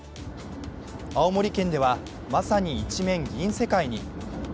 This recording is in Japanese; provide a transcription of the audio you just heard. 青森県では、まさに一面銀世界に。